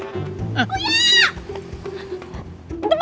itu paketan kiki